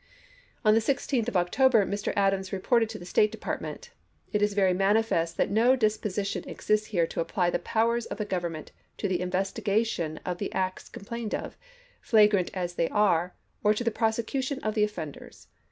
On the 16th of October Mr. Adams reported to the State Department :" It is very manifest that no disposition exists here to apply the powers of the Government to the investigation of the acts com plained of, flagrant as they are, or to the prosecu tion of the offenders.